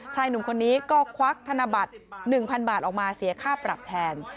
หนุ่มคนนี้ก็ควักธนบัตร๑๐๐๐บาทออกมาเสียค่าปรับแทน